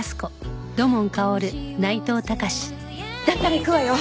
だったら行くわよ。